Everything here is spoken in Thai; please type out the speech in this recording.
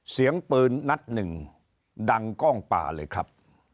เสียงปืนนัดหนึ่งดังกล้องป่าเลยครับ